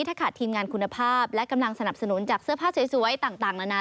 ถ้าขาดทีมงานคุณภาพและกำลังสนับสนุนจากเสื้อผ้าสวยต่างนานา